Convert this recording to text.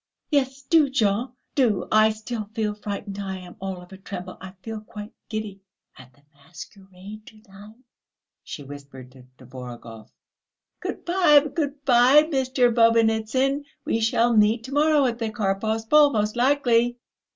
"Yes, do, Jean, do; I still feel frightened; I am all of a tremble, I feel quite giddy.... At the masquerade to night," she whispered to Tvorogov.... "Good bye, good bye, Mr. Bobynitsyn! We shall meet to morrow at the Karpovs' ball, most likely."